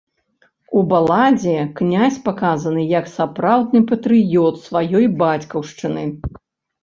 У баладзе князь паказаны як сапраўдны патрыёт сваёй бацькаўшчыны.